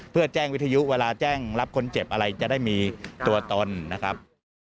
เพื่อแจ้งวิทยุเวลาแจ้งรับคนเจ็บอะไรจะได้มีตัวตนนะครับ